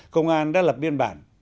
công an đã lập biên bản